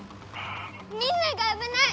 みんながあぶない！